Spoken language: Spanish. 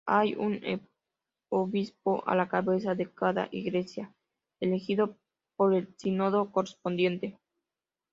Hay un obispo a la cabeza de cada Iglesia, elegido por el Sínodo correspondiente.